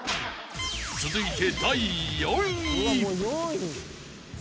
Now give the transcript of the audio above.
［続いて］